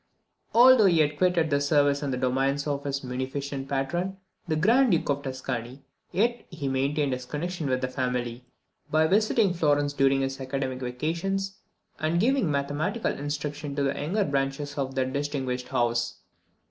Although he had quitted the service and the domains of his munificent patron, the Grand Duke of Tuscany, yet he maintained his connection with the family, by visiting Florence during his academic vacations, and giving mathematical instruction to the younger branches of that distinguished house.